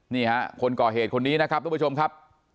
นี่ฮะคนก่อเหตุคนนี้นะครับทุกผู้ชมครับ